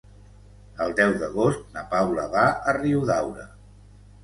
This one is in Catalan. El deu d'agost na Paula va a Riudaura.